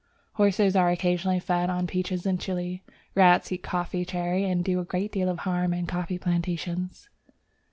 Horses are occasionally fed on peaches in Chile. Rats eat the coffee cherry, and do a great deal of harm in coffee plantations.